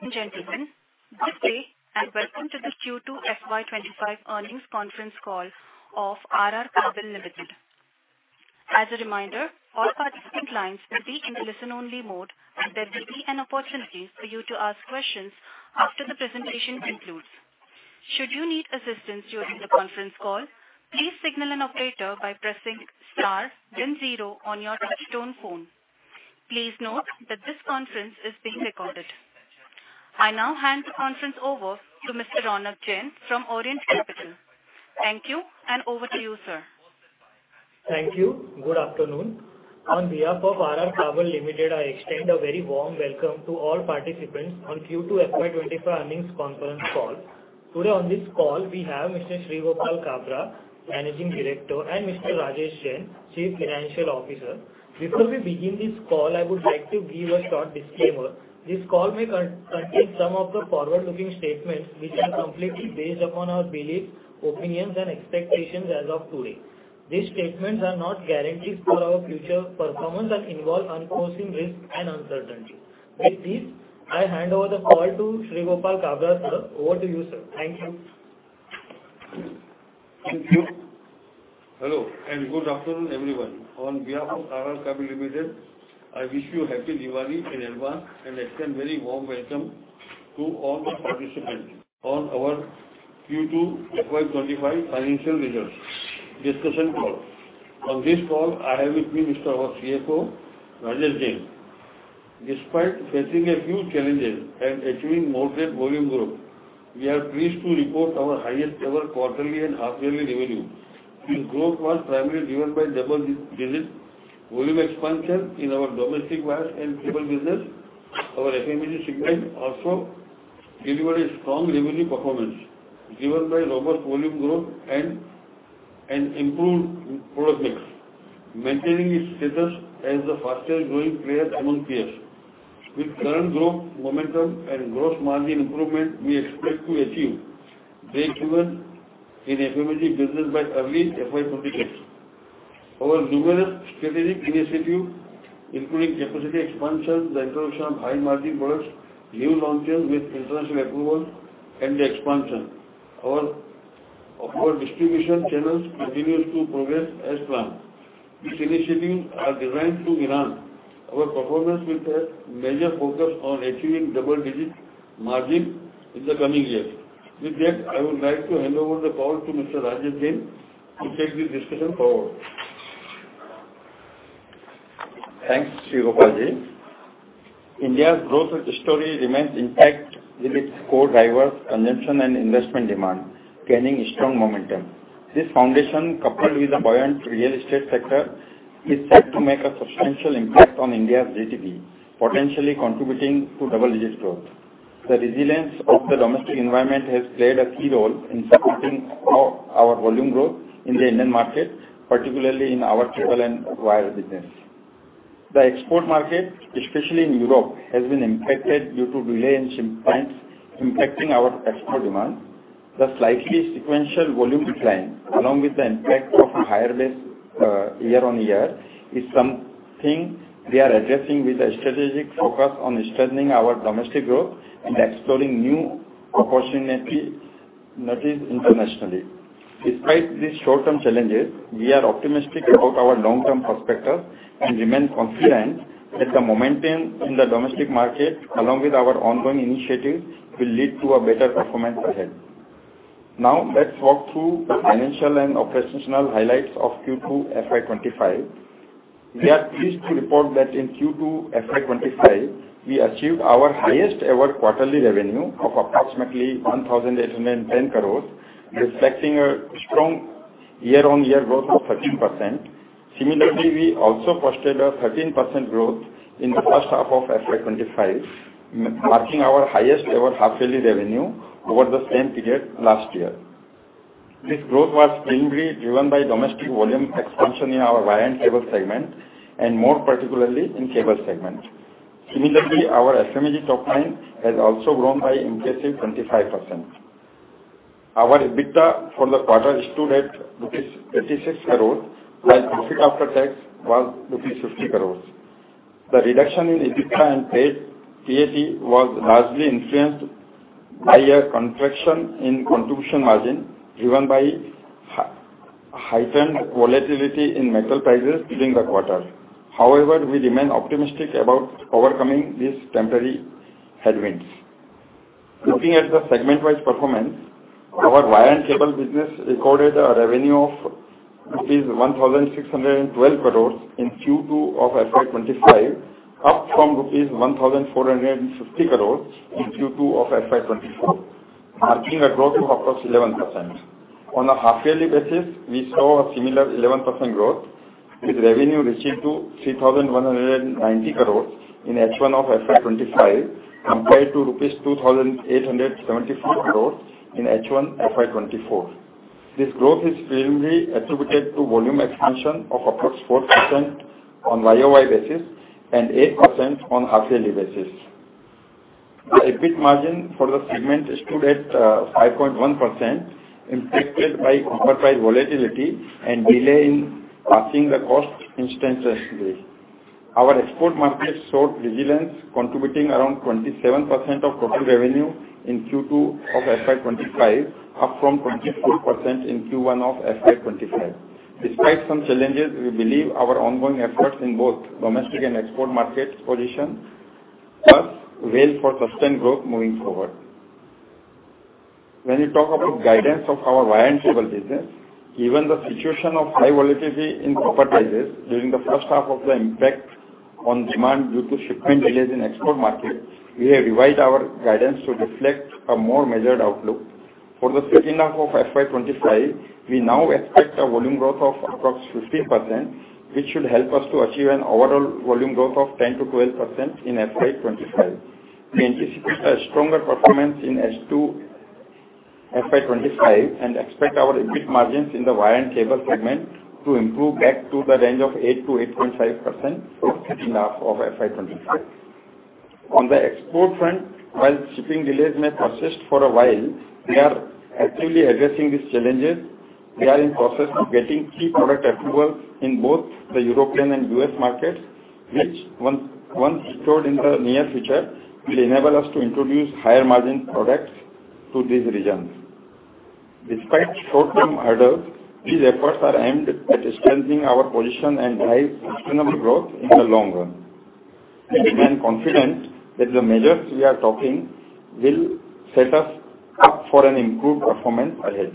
Gentlemen, good day, and welcome to the Q2 FY 2025 earnings conference call of RR Kabel Limited. As a reminder, all participating clients will be in listen-only mode, and there will be an opportunity for you to ask questions after the presentation concludes. Should you need assistance during the conference call, please signal an operator by pressing star then zero on your touchtone phone. Please note that this conference is being recorded. I now hand the conference over to Mr. Ronak Jain from Orient Capital. Thank you, and over to you, sir. Thank you. Good afternoon. On behalf of RR Kabel Limited, I extend a very warm welcome to all participants on Q2 FY 2025 earnings conference call. Today, on this call, we have Mr. Shreegopal Kabra, Managing Director, and Mr. Rajesh Jain, Chief Financial Officer. Before we begin this call, I would like to give a short disclaimer. This call may contain some of the forward-looking statements, which are completely based upon our beliefs, opinions, and expectations as of today. These statements are not guarantees for our future performance and involve unforeseen risks and uncertainty. With this, I hand over the call to Shreegopal Kabra. Sir, over to you, sir. Thank you. Thank you. Hello, and good afternoon, everyone. On behalf of RR Kabel Limited, I wish you happy Diwali in advance, and extend a very warm welcome to all the participants on our Q2 FY 2025 financial results discussion call. On this call, I have with me Mr. Rajesh Jain, our CFO. Despite facing a few challenges and achieving moderate volume growth, we are pleased to report our highest ever quarterly and half yearly revenue. This growth was primarily driven by double-digit volume expansion in our domestic wires and cable business. Our FMEG segment also delivered a strong revenue performance, driven by robust volume growth and improved product mix, maintaining its status as the fastest growing player among peers. With current growth momentum and gross margin improvement, we expect to achieve breakeven in FMEG business by early FY 2026. Our numerous strategic initiatives, including capacity expansion, the introduction of high-margin products, new launches with international approval, and the expansion of our distribution channels, continues to progress as planned. These initiatives are designed to enhance our performance with a major focus on achieving double-digit margin in the coming years. With that, I would like to hand over the call to Mr. Rajesh Jain to take this discussion forward. Thanks, Shreegopal Kabra. India's growth story remains intact, with its core drivers, consumption and investment demand, gaining strong momentum. This foundation, coupled with a buoyant real estate sector, is set to make a substantial impact on India's GDP, potentially contributing to double-digit growth. The resilience of the domestic environment has played a key role in supporting our volume growth in the Indian market, particularly in our cable and wire business. The export market, especially in Europe, has been impacted due to delay in ship times, impacting our export demand. The slightly sequential volume decline, along with the impact of a higher base, year-on-year, is something we are addressing with a strategic focus on strengthening our domestic growth and exploring new opportunities internationally. Despite these short-term challenges, we are optimistic about our long-term prospects and remain confident that the momentum in the domestic market, along with our ongoing initiatives, will lead to a better performance ahead. Now, let's walk through the financial and operational highlights of Q2 FY 2025. We are pleased to report that in Q2 FY 2025, we achieved our highest ever quarterly revenue of approximately 1,810 crore, reflecting a strong year-on-year growth of 13%. Similarly, we also posted a 13% growth in the first half of FY 2025, marking our highest ever half yearly revenue over the same period last year. This growth was primarily driven by domestic volume expansion in our wire and cable segment, and more particularly in cable segment. Similarly, our FMEG top line has also grown by impressive 25%. Our EBITDA for the quarter stood at rupees 86 crore, while profit after tax was rupees 60 crore. The reduction in EBITDA and PAT, PAT was largely influenced by a contraction in contribution margin, driven by heightened volatility in metal prices during the quarter. However, we remain optimistic about overcoming these temporary headwinds. Looking at the segment-wise performance, our wire and cable business recorded a revenue of rupees 1,612 crore in Q2 of FY 2025, up from rupees 1,450 crore in Q2 of FY 2024, marking a growth of approx 11%. On a half-yearly basis, we saw a similar 11% growth, with revenue reaching to 3,190 crore in H1 of FY 2025, compared to INR 2,874 crore in H1 FY 2024. This growth is primarily attributed to volume expansion of approx 4% on YoY basis and 8% on half yearly basis. The EBIT margin for the segment stood at 5.1% impacted by copper price volatility and delay in passing the cost instantaneously. Our export market showed resilience, contributing around 27% of total revenue in Q2 of FY 2025, up from 24% in Q1 of FY 2025. Despite some challenges, we believe our ongoing efforts in both domestic and export markets position us well for sustained growth moving forward. When we talk about guidance of our wire and cable business, given the situation of high volatility in copper prices during the first half and the impact on demand due to shipping delays in export markets, we have revised our guidance to reflect a more measured outlook. For the second half of FY 2025, we now expect a volume growth of approx 15%, which should help us to achieve an overall volume growth of 10%-12% in FY 2025. We anticipate a stronger performance in H2 FY 2025 and expect our EBIT margins in the wire and cable segment to improve back to the range of 8%-8.5% for second half of FY 2025. On the export front, while shipping delays may persist for a while, we are actively addressing these challenges. We are in process of getting key product approval in both the European and U.S. markets, which once restored in the near future, will enable us to introduce higher margin products to these regions. Despite short-term hurdles, these efforts are aimed at strengthening our position and drive sustainable growth in the long run. We remain confident that the measures we are taking will set us up for an improved performance ahead.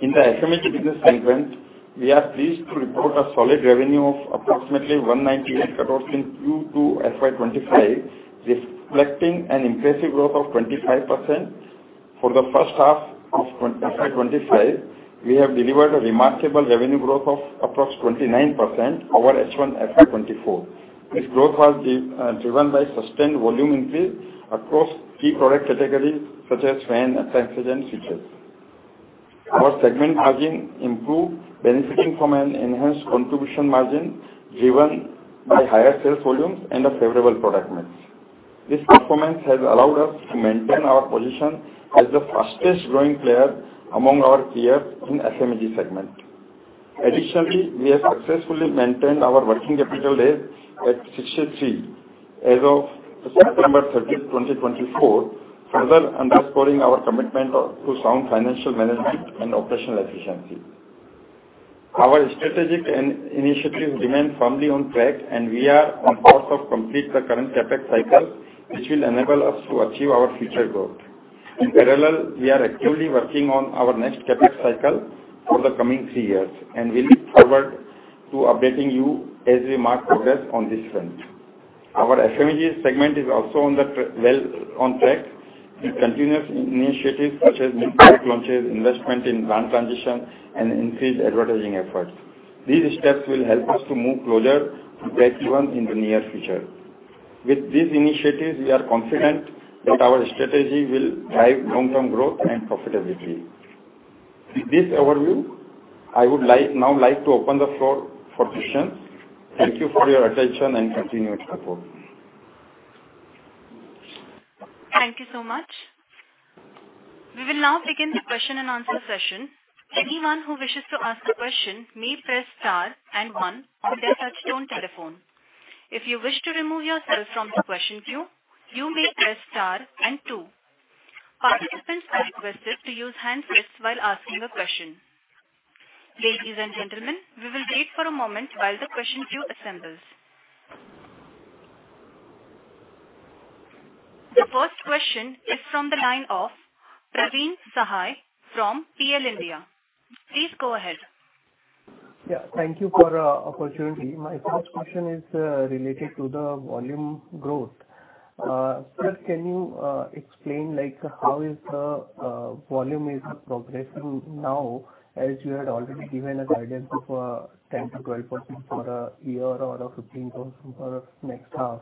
In the FMEG business segment, we are pleased to report a solid revenue of approximately 198 crore in Q2 FY 2025, reflecting an impressive growth of 25%. For the first half of FY 2025, we have delivered a remarkable revenue growth of approximately 29% over H1 FY 2024. This growth was driven by sustained volume increase across key product categories, such as fans and lighting. Our segment margin improved, benefiting from an enhanced contribution margin, driven by higher sales volumes and a favorable product mix. This performance has allowed us to maintain our position as the fastest growing player among our peers in FMEG segment. Additionally, we have successfully maintained our working capital days at 63 as of September thirtieth, 2024, further underscoring our commitment to sound financial management and operational efficiency. Our strategic initiatives remain firmly on track, and we are on course to complete the current CapEx cycle, which will enable us to achieve our future growth. In parallel, we are actively working on our next CapEx cycle for the coming three years, and we look forward to updating you as we mark progress on this front. Our FMEG segment is also well on track with continuous initiatives such as new product launches, investment in brand transition, and increased advertising efforts. These steps will help us to move closer to breakeven in the near future. With these initiatives, we are confident that our strategy will drive long-term growth and profitability. With this overview, I would like to open the floor for questions. Thank you for your attention and continued support. Thank you so much. We will now begin the question and answer session. Anyone who wishes to ask a question may press star and one on their touchtone telephone. If you wish to remove yourself from the question queue, you may press star and two. Participants are requested to use hand raised while asking a question. Ladies and gentlemen, we will wait for a moment while the question queue assembles. The first question is from the line of Praveen Sahay from PL India. Please go ahead. Yeah, thank you for the opportunity. My first question is related to the volume growth. First can you explain, like, how is the volume is progressing now, as you had already given a guidance of 10%-12% for the year or a 15% for the next half?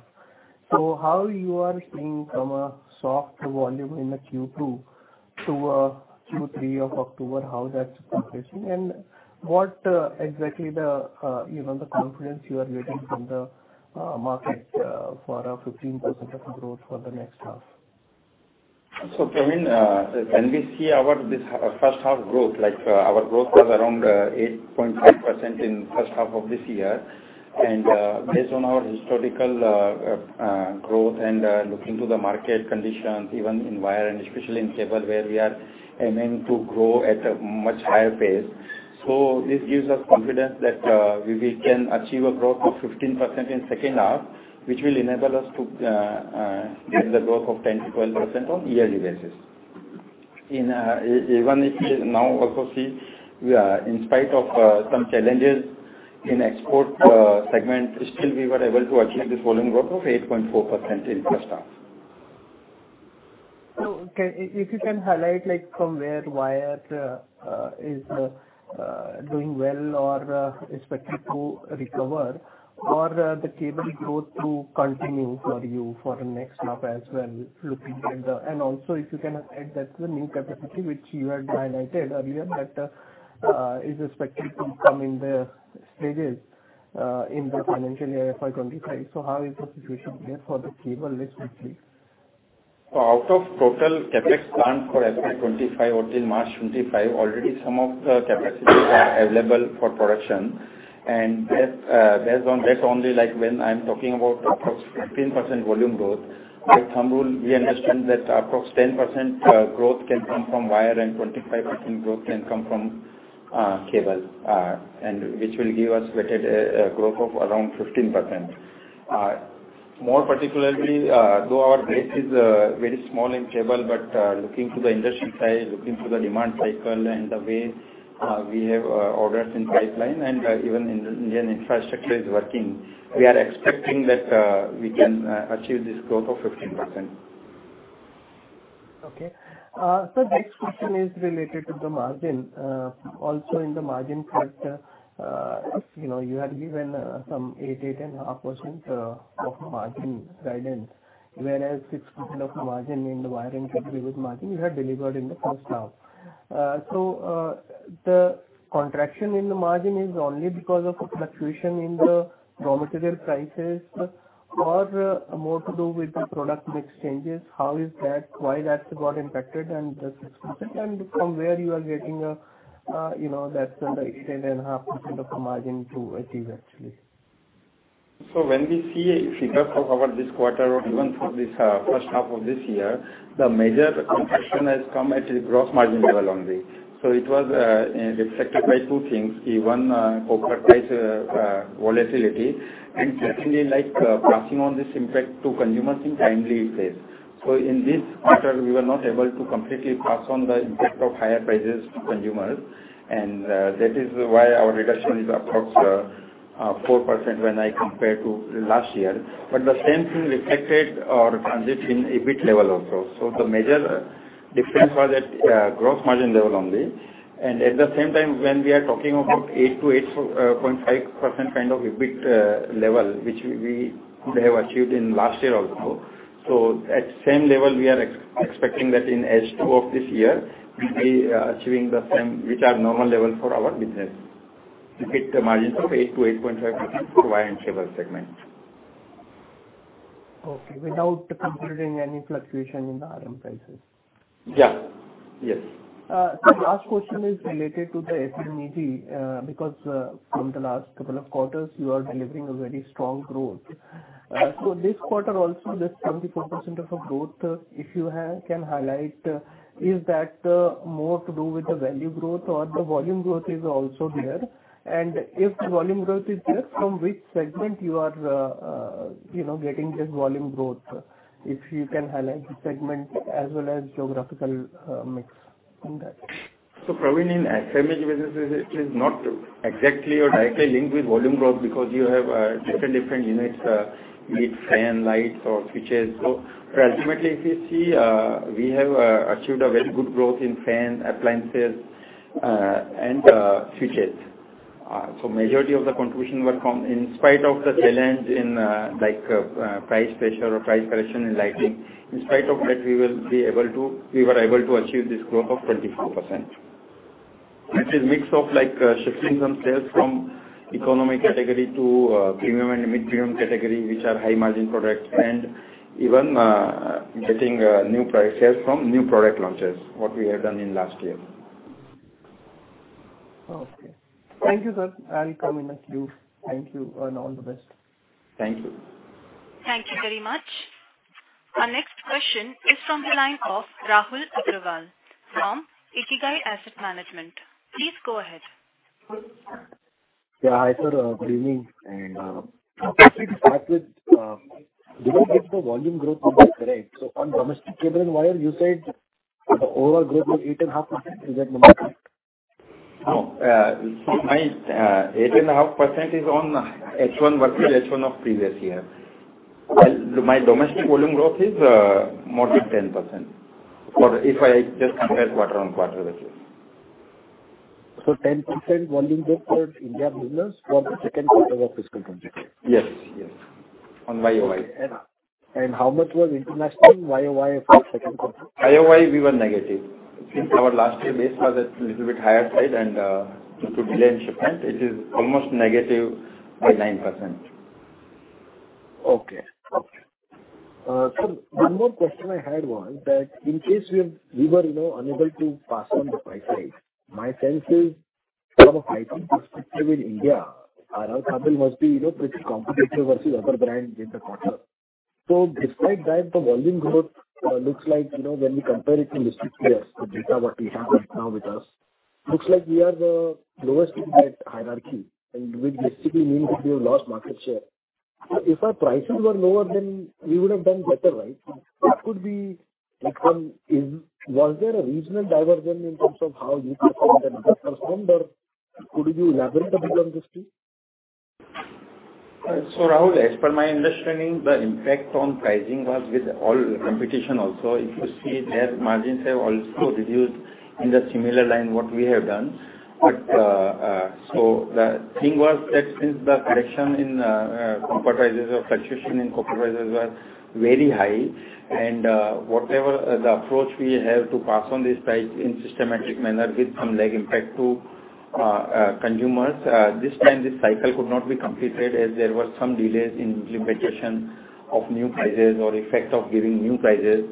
So how you are seeing from a soft volume in the Q2 to Q3 of October, how that's progressing? And what exactly the you know the confidence you are getting from the market for a 15% of growth for the next half? Praveen, when we see our first half growth, like, our growth was around 8.5% in first half of this year. Based on our historical growth and looking to the market conditions, even in wire and especially in cable, where we are aiming to grow at a much higher pace. This gives us confidence that we can achieve a growth of 15% in second half, which will enable us to get the growth of 10%-12% on yearly basis. Even if we now also see, we are in spite of some challenges in export segment, still we were able to achieve this volume growth of 8.4% in first half. If you can highlight, like, from where wires are doing well or expected to recover, or the cables growth to continue for you for the next half as well, looking at the. And also, if you can add that to the new capacity, which you had highlighted earlier, that is expected to come in the stages in the financial year FY 2025. How is the situation there for the cables next week? So out of total CapEx plan for FY 2025 until March 2025, already some of the capacities are available for production. And that, based on that only, like, when I'm talking about approx 15% volume growth, with some rule, we understand that approx 10% growth can come from wire, and 25% growth can come from cable, and which will give us weighted growth of around 15%. More particularly, though our base is very small in cable, but looking to the industry side, looking to the demand cycle and the way we have orders in pipeline and even in the Indian infrastructure is working, we are expecting that we can achieve this growth of 15%. Okay. So next question is related to the margin. Also in the margin part, you know, you had given some 8%-8.5% of margin guidance, whereas 6% of margin in the wire and cable with margin you had delivered in the first half. So, the contraction in the margin is only because of fluctuation in the raw material prices, or more to do with the product mix changes? How is that? Why that got impacted, and the 6%, and from where you are getting, you know, that 8%-8.5% of the margin to achieve actually? So when we see a figure for our this quarter or even for this first half of this year, the major contraction has come at the gross margin level only. So it was impacted by two things. One, copper price volatility, and secondly, like, passing on this impact to consumers in timely fashion. So in this quarter, we were not able to completely pass on the impact of higher prices to consumers, and that is why our reduction is approx 4% when I compare to last year. But the same thing impacted our trends in EBIT level also. So the major difference was at gross margin level only. And at the same time, when we are talking about 8%-8.5% kind of EBIT level, which we have achieved in last year also. So at same level, we are expecting that in H2 of this year, we'll be achieving the same, which are normal level for our business. EBIT margins of 8%-8.5% for wire and cable segment. Okay, without considering any fluctuation in the RM prices? Yeah. Yes. The last question is related to the FMEG, because, from the last couple of quarters, you are delivering a very strong growth. So this quarter also, this 24% of the growth, if you can highlight, is that more to do with the value growth or the volume growth is also there? And if volume growth is there, from which segment you are, you know, getting this volume growth, if you can highlight the segment as well as geographical mix in that? Praveen, in FMEG businesses, it is not exactly or directly linked with volume growth because you have different units, be it fan, lights or switches. Ultimately, if you see, we have achieved a very good growth in fan, appliances, and switches. Majority of the contribution were come in spite of the challenge in, like, price pressure or price correction in lighting. In spite of that, we will be able to... We were able to achieve this growth of 24%. It is mix of, like, shifting on sales from economic category to premium and mid-premium category, which are high-margin products, and even getting new price sales from new product launches, what we have done in last year. Okay. Thank you, sir. I'll come in the queue. Thank you, and all the best. Thank you. Thank you very much. Our next question is from the line of Rahul Agarwal from Ikigai Asset Management. Please go ahead. Yeah, hi, sir, good evening. And, to start with, did I get the volume growth correct? So on domestic cable and wire, you said the overall growth was 8.5%. Is that number correct? No, so my 8.5% is on H1 versus H1 of previous year. Well, my domestic volume growth is more than 10%, for if I just compare quarter-on-quarter basis. 10% volume growth for India business for the second quarter of fiscal 2025? Yes. Yes, on YoY. How much was international YoY for second quarter? YoY, we were negative. Since our last year, base was at little bit higher side and, due to delay in shipment, it is almost negative by 9%. Okay. Okay. Sir, one more question I had was that in case we were, you know, unable to pass on the price hike, my sense is, from a pricing perspective in India, our cable must be, you know, pretty competitive versus other brands in the quarter. So despite that, the volume growth looks like, you know, when we compare it to direct players, the data what we have right now with us looks like we are the lowest in that hierarchy, and which basically means that we have lost market share. So if our prices were lower, then we would have done better, right? What could be the reason? Was there a regional diversion in terms of how you performed and others performed, or could you elaborate a bit on this, please? So, Rahul, as per my understanding, the impact on pricing was with all competition also. If you see, their margins have also reduced in the similar line, what we have done. But so the thing was that since the correction in copper prices or fluctuation in copper prices were very high, and whatever the approach we have to pass on this price in systematic manner with some lag impact to consumers, this time this cycle could not be completed as there were some delays in implementation of new prices or effect of giving new prices.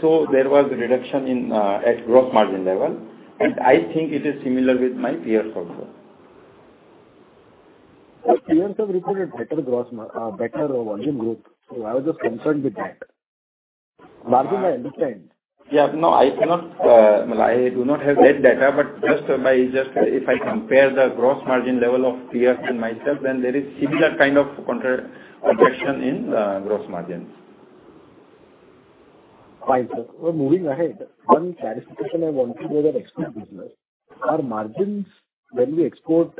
So there was a reduction in at gross margin level, and I think it is similar with my peers also. But peers have reported better gross margin, better volume growth, so I was just concerned with that. Margin I understand. Yeah, no, I cannot. I do not have that data, but just by, just if I compare the gross margin level of peers and myself, then there is similar kind of contraction in gross margins. Fine, sir. So moving ahead, one clarification I want to know the export business. Our margins when we export,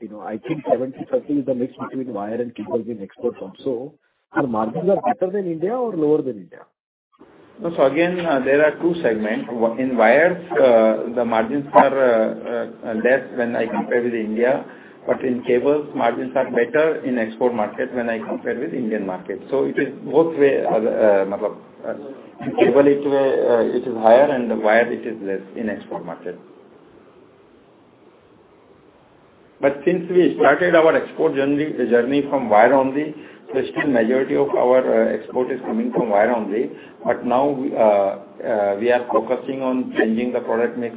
you know, I think 70% is the mix between wire and cable being exported from. So your margins are better than India or lower than India? So again, there are two segments. In wires, the margins are less when I compare with India, but in cables, margins are better in export market when I compare with Indian market. So it is both way. In cable, it weighs, it is higher, and the wire it is less in export market. But since we started our export journey from wire only, the still majority of our export is coming from wire only. But now, we are focusing on changing the product mix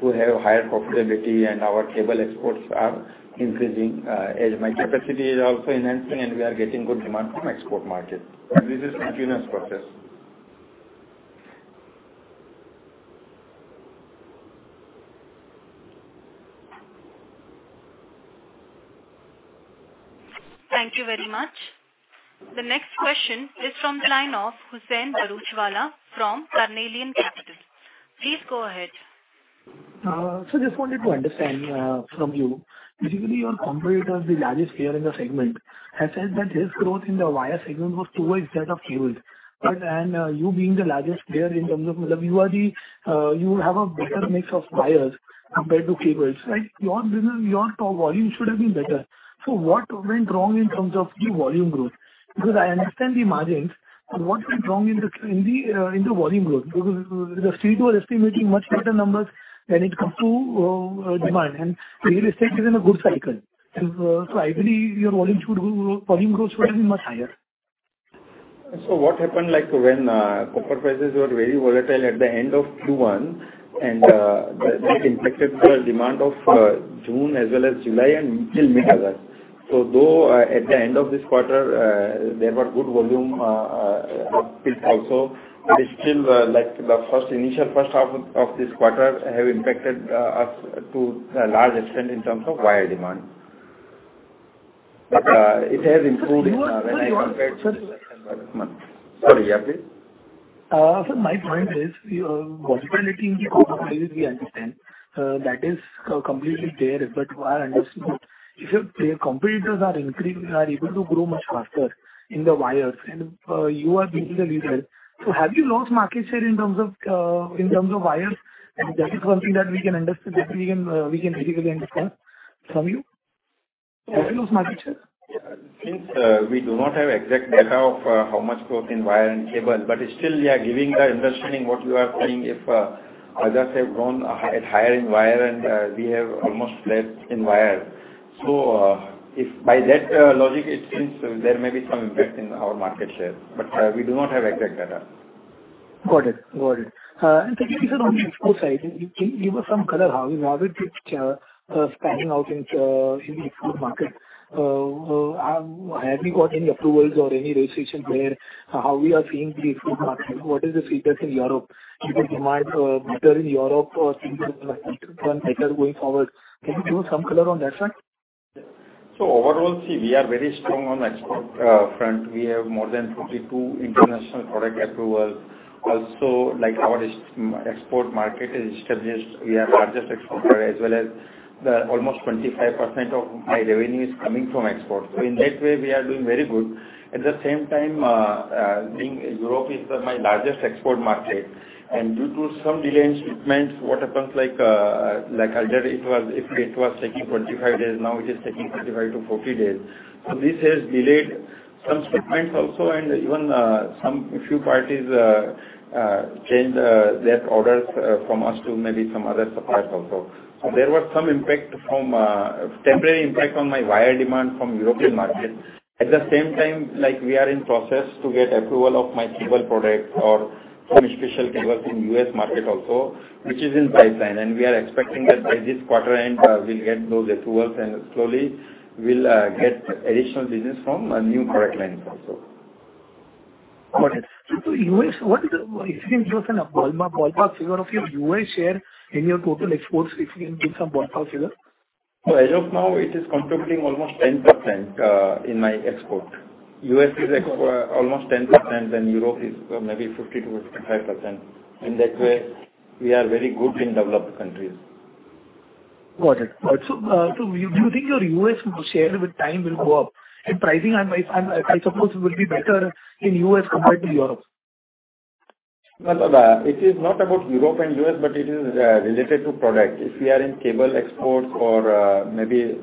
to have higher profitability, and our cable exports are increasing, as my capacity is also enhancing, and we are getting good demand from export market. But this is continuous process. Thank you very much. The next question is from the line of Huseain Bharuchwala from Carnelian Capital. Please go ahead. So just wanted to understand, from you. Basically, your competitor, the largest player in the segment, has said that his growth in the wire segment was towards that of cables. But, you being the largest player in terms of... You are the, you have a better mix of wires compared to cables, right? Your business, your top volume should have been better. So what went wrong in terms of the volume growth? Because I understand the margins, but what went wrong in the volume growth? Because the street was estimating much better numbers when it comes to demand, and real estate is in a good cycle. So I believe your volume growth should have been much higher. So what happened, like, when copper prices were very volatile at the end of Q1, and that impacted the demand of June as well as July and till mid-August. So though at the end of this quarter there were good volume uphill also, it is still like the first initial first half of this quarter have impacted us to a large extent in terms of wire demand. But it has improved when I compare- Sir, do you want- Sorry, yeah, please. So my point is, your volatility in copper prices, we understand, that is completely there. But what I understand, if your competitors are increasing, are able to grow much faster in the wires and, you are being the leader, so have you lost market share in terms of wires? That is one thing that we can understand, we can basically understand from you. Have you lost market share? Since we do not have exact data of how much growth in wire and cable, but still we are getting the understanding what you are saying. If others have grown at higher in wire and we have almost flat in wire, so if by that logic, it seems there may be some impact in our market share, but we do not have exact data. Got it. And then on the export side, can you give us some color how is it expanding out in the export market? Have you got any approvals or any registration there? How we are seeing the export market? What is the status in Europe? Is the demand better in Europe or things going better going forward? Can you give some color on that front? So overall, see, we are very strong on export front. We have more than 42 international product approvals. Also, like our export market is established, we are largest exporter as well as the almost 25% of my revenue is coming from exports. So in that way, we are doing very good. At the same time, being Europe is my largest export market, and due to some delay in shipments, what happens, like, like earlier it was, it was taking 25 days, now it is taking 35-40 days. So this has delayed some shipments also, and even, some few parties, changed, their orders, from us to maybe some other suppliers also. So there was some impact from temporary impact on my wire demand from European market. At the same time, like, we are in process to get approval of my cable product or some special cables in U.S. market also, which is in pipeline, and we are expecting that by this quarter end, we'll get those approvals, and slowly we'll get additional business from a new product line also. Got it. So, U.S., what is the... If you can give us a ballpark, ballpark figure of your U.S. share in your total exports, if you can give some ballpark figure? As of now, it is contributing almost 10% in my export. U.S. is export almost 10%, and Europe is maybe 50%-55%. In that way, we are very good in developed countries. Got it. Got it. So, so do you think your U.S. share with time will go up? And pricing, I might, I suppose will be better in U.S. compared to Europe. No, no, it is not about Europe and U.S., but it is related to product. If we are in cable exports or high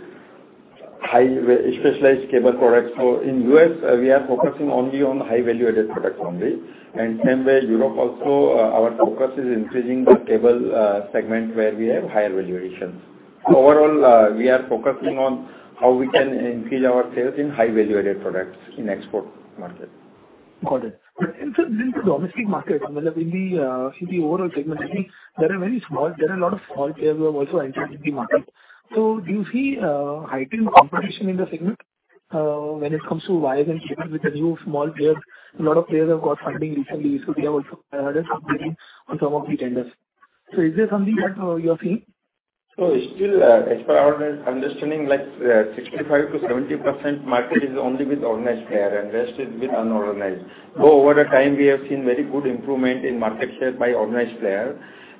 specialized cable products. So in U.S., we are focusing only on high value-added products only. And same way, Europe also, our focus is increasing the cable segment where we have higher value additions. Overall, we are focusing on how we can increase our sales in high value-added products in export market. Got it. And so in the domestic market, well, in the, in the overall segment, I think there are very small, there are a lot of small players who have also entered the market. So do you see, heightened competition in the segment, when it comes to wires and cables? Because new small players, a lot of players have got funding recently, so they have also, on some of the tenders. So is there something that, you are seeing? So still, as per our understanding, like, 65%-70% market is only with organized player, and rest is with unorganized. Over the time, we have seen very good improvement in market share by organized player.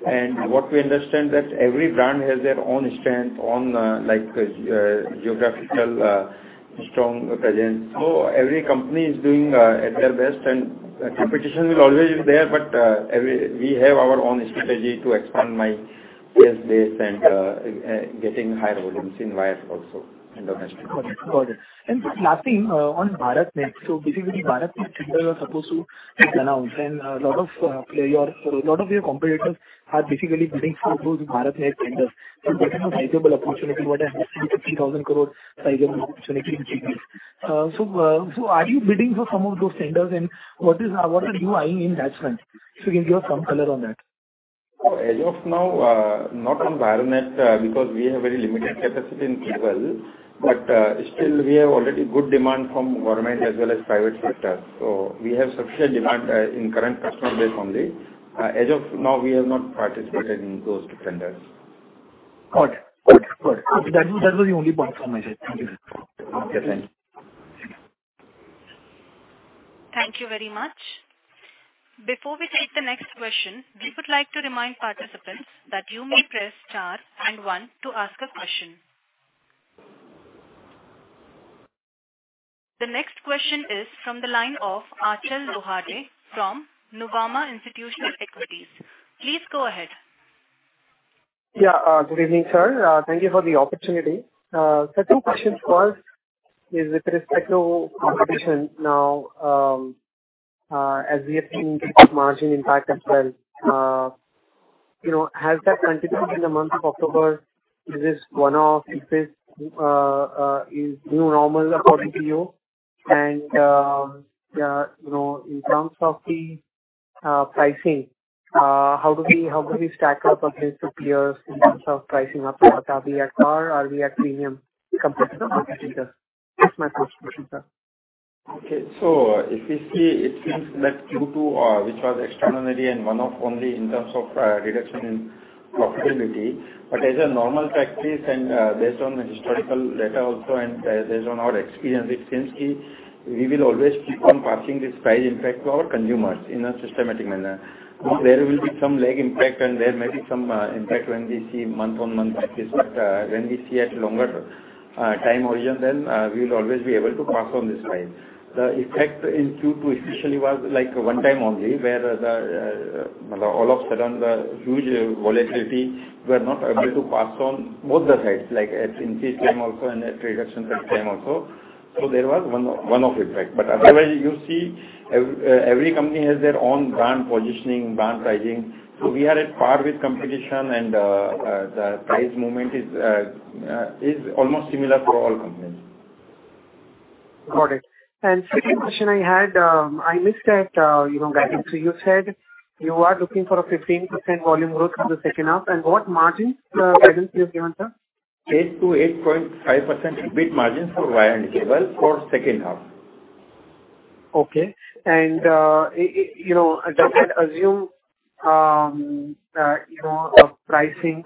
And what we understand that every brand has their own strength, own, like, geographical, strong presence. So every company is doing, at their best, and the competition will always be there, but, every, we have our own strategy to expand my sales base and, getting higher volumes in wires also in domestic. Got it. Just last thing on BharatNet. Basically, BharatNet tenders are supposed to announce, and a lot of players, a lot of your competitors are basically bidding for those BharatNet tenders. That is a sizable opportunity, a 2,000-3,000 crore sizable opportunity in cable. So are you bidding for some of those tenders, and what are you eyeing in that front? You can give us some color on that. As of now, not on BharatNet, because we have very limited capacity in cable. But, still, we have already good demand from government as well as private sector. So we have sufficient demand, in current customer base only. As of now, we have not participated in those tenders. Got it. Good, good. That was, that was the only point from my side. Thank you, sir. Thank you very much. Before we take the next question, we would like to remind participants that you may press star and one to ask a question. The next question is from the line of Achal Lohade from Nuvama Institutional Equities. Please go ahead. Yeah, good evening, sir. Thank you for the opportunity. The two questions first is with respect to competition now, as we have seen margin impact as well, you know, has that continued in the month of October? Is this one-off interest, is new normal according to you? And, you know, in terms of the, pricing, how do we, how do we stack up against the peers in terms of pricing up to our RR Kabel? Are we at premium compared to the competitors? That's my first question, sir. Okay. So if you see, it seems that Q2, which was extraordinary and one-off only in terms of reduction in profitability. But as a normal practice and based on historical data also, and based on our experience, it seems we will always keep on passing this price impact to our consumers in a systematic manner. There will be some lag impact, and there may be some impact when we see month-on-month pricing. But when we see at longer time horizon, then we will always be able to pass on this price. The effect in Q2 especially was like a one-time only, where the all of a sudden, the huge volatility, we're not able to pass on both the sides, like on the increase side also and on the reduction side also. So there was one-off effect. But otherwise, you see, every company has their own brand positioning, brand pricing. So we are at par with competition, and the price movement is almost similar for all companies. Got it. And second question I had, I missed that, you know, guidance. So you said you are looking for a 15% volume growth in the second half, and what margin guidance you have given, sir? 8%-8.5% EBIT margins for wire and cable for second half. Okay and, you know, does that assume a lower pricing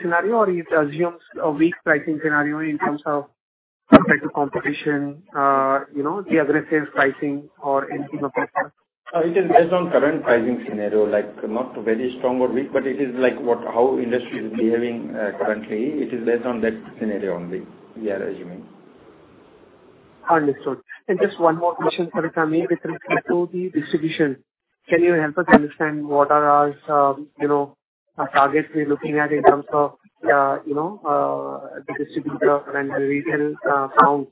scenario, or it assumes a weak pricing scenario with respect to competition, you know, the aggressive pricing or anything like that? It is based on current pricing scenario, like, not very strong or weak, but it is like what, how industry is behaving, currently. It is based on that scenario only, we are assuming. Understood. And just one more question, sir, maybe with respect to the distribution. Can you help us understand what are our, you know, our targets we're looking at in terms of, you know, the distributor and the retail count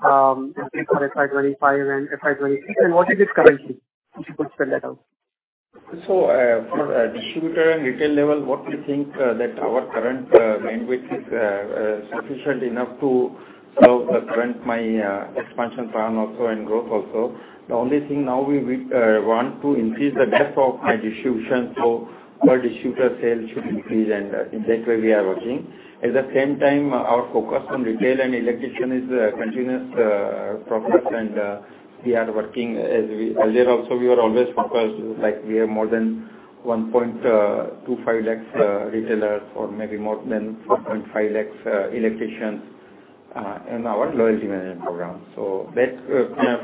for FY 2025 and FY 2026, and what it is currently? If you could spell that out. So, for distributor and retail level, what we think that our current bandwidth is sufficient enough to serve the current my expansion plan also and growth also. The only thing now we want to increase the depth of my distribution, so our distributor sales should increase, and in that way we are working. At the same time, our focus on retail and electrician is a continuous progress, and we are working as we earlier also, we were always focused, like, we have more than 1.25 lakh retailers, or maybe more than 4.5 lakh electricians in our loyalty management program. So that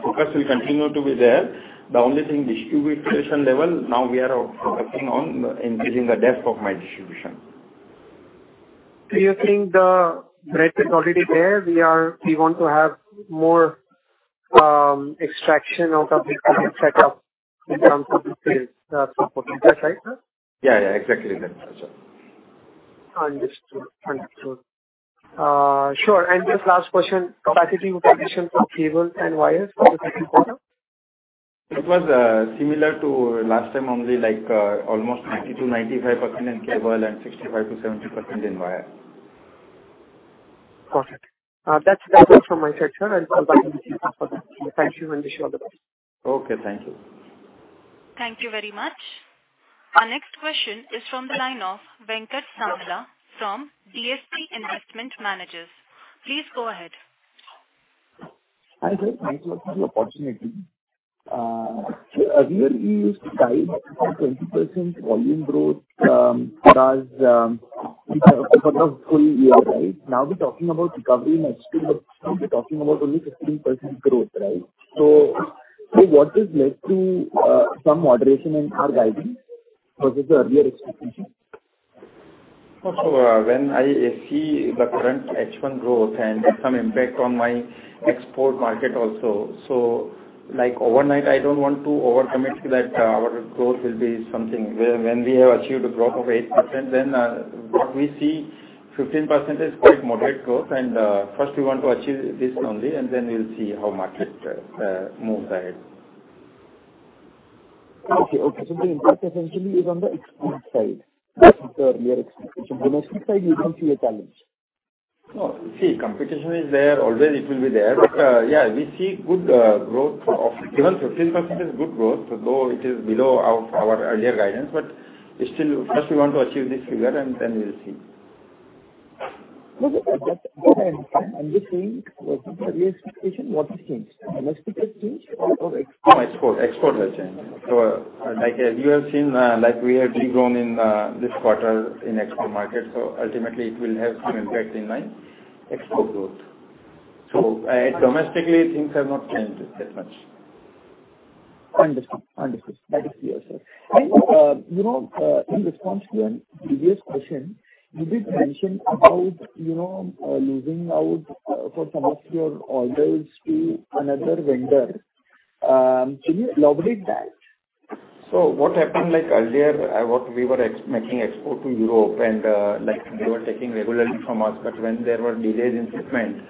focus will continue to be there. The only thing, distribution level, now we are focusing on increasing the depth of my distribution. So you think the breadth is already there. We want to have more extraction out of the current setup in terms of the sales support. Is that right, sir? Yeah, yeah, exactly, right. Understood. Understood. Sure, and just last question, capacity utilization for cable and wires, for the second quarter? It was similar to last time only, like, almost 90%-95% in cable and 65%-70% in wire. Perfect. That's all from my side, sir. I'll thank you and wish you all the best. Okay, thank you. Thank you very much. Our next question is from the line of Venkat Samala from DSP Investment Managers. Please go ahead. Hi, sir. Thank you for the opportunity. So earlier you used to guide about 20% volume growth, because, for the full year, right? Now we're talking about recovery in H2, but now we're talking about only 15% growth, right? So what has led to some moderation in our guidance versus the earlier expectations? So, when I see the current H1 growth and some impact on my export market also, so like overnight, I don't want to overcommit that, our growth will be something. When we have achieved a growth of 8%, then, what we see, 15% is quite moderate growth, and, first we want to achieve this only, and then we'll see how market moves ahead. Okay, okay. So the impact essentially is on the export side-versus the earlier expectation. Domestic side, you don't see a challenge? No. See, competition is there, always it will be there. But, yeah, we see good growth of... Even 15% is good growth, although it is below our earlier guidance, but still, first we want to achieve this figure, and then we'll see. Okay. I'm just saying, earlier expectation, what has changed? Domestic has changed or, or export? No, export, export has changed. So, like, as you have seen, like, we have de-grown in, this quarter in export market, so ultimately it will have some impact in my export growth. So, domestically, things have not changed that much. Understood. Understood. That is clear, sir. And, you know, in response to your previous question, you did mention about, you know, losing out, for some of your orders to another vendor. Can you elaborate that? So what happened, like, earlier, we were exporting to Europe and, like, they were taking regularly from us, but when there were delays in shipment,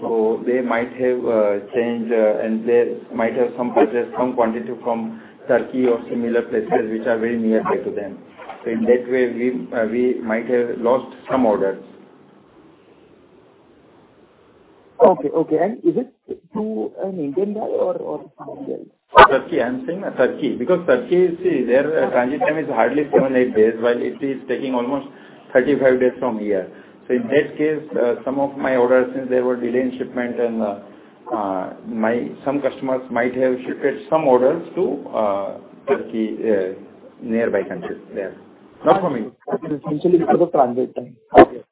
so they might have changed, and they might have purchased some quantity from Turkey or similar places which are very nearer to them. So in that way, we might have lost some orders. Okay, okay. And is it to an Indian guy or some other? Turkey. I'm saying Turkey, because Turkey, you see, their transit time is hardly seven, eight days, while it is taking almost 35 days from here. So in that case, some of my orders, since they were delayed in shipment and, some customers might have shifted some orders to Turkey, nearby countries there. Not from me. Essentially because of transit time. Okay.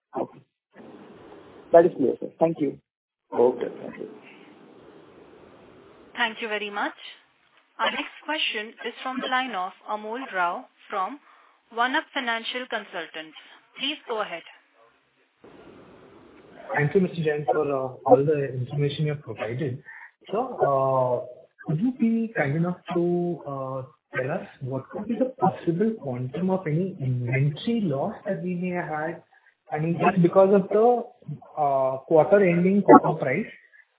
That is clear, sir. Thank you. Okay, thank you. Thank you very much. Our next question is from the line of Amol Rao from One Up Financial Consultants. Please go ahead. Thank you, Mr. Jain, for all the information you have provided. Sir, could you be kind enough to tell us what could be the possible quantum of any inventory loss that we may have had? I mean, just because of the quarter-ending quarter price,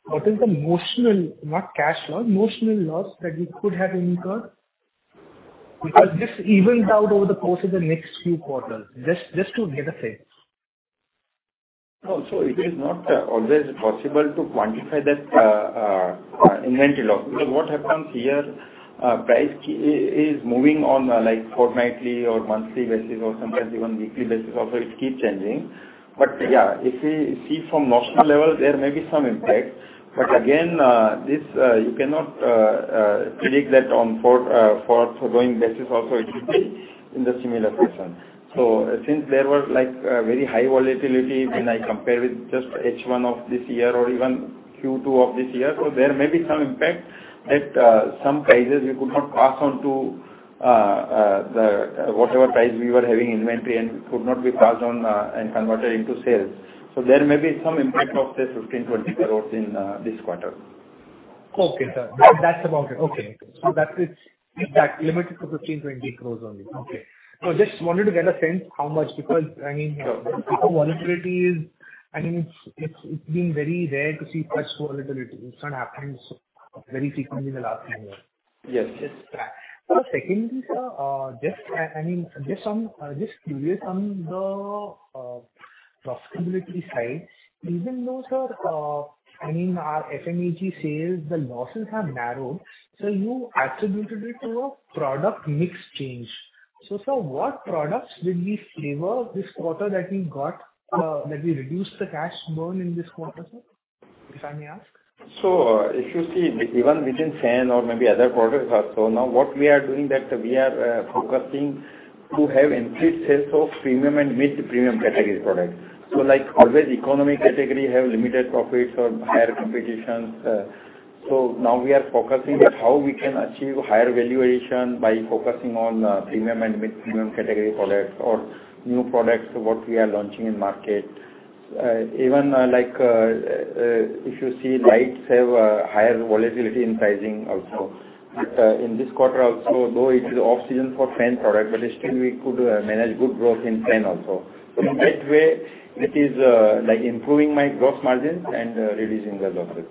what is the notional, not cash loss, notional loss that you could have incurred? Because this evened out over the course of the next few quarters, just to get a sense. So it is not always possible to quantify that inventory loss. Because what happens here, price is moving on like fortnightly or monthly basis or sometimes even weekly basis, also it keeps changing. But yeah, if you see from notional level, there may be some impact. But again, this you cannot predict that on forward basis also it will be in the similar fashion. So since there were like very high volatility when I compare with just H1 of this year or even Q2 of this year, so there may be some impact that some prices we could not pass on to the whatever price we were having inventory and could not be passed on and converted into sales. So there may be some impact of this 15-20 crores in this quarter. Okay, sir. That's about it. Okay. So that is, is that limited to 15 crore-20 crore only? Okay. I just wanted to get a sense how much, because, I mean, volatility is... I mean, it's, it's been very rare to see such volatility. It's not happening so very frequently in the last 10 years. Yes, yes. Secondly, sir, just, I mean, just on, just curious on the profitability side, even though, sir, I mean, our FMEG sales, the losses have narrowed, so you attributed it to a product mix change. So sir, what products did we favor this quarter that we got, that we reduced the cash burn in this quarter, sir, if I may ask? So, if you see, even within fan or maybe other products also, now what we are doing that we are focusing to have increased sales of premium and mid-premium category products. So like always, economy category have limited profits or higher competitions. So now we are focusing on how we can achieve higher valuation by focusing on premium and mid-premium category products or new products what we are launching in market. Even like if you see lights have a higher volatility in pricing also. In this quarter also, though it is off season for fan product, but still we could manage good growth in fan also. So in that way, it is like improving my gross margin and reducing the losses.